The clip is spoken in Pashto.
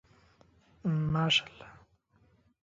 ماشاءالله